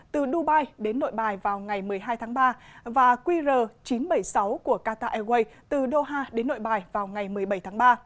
từ dubai đến nội bài vào ngày một mươi hai tháng ba và qr chín trăm bảy mươi sáu của qatar airways từ doha đến nội bài vào ngày một mươi bảy tháng ba